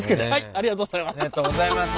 ありがとうございます。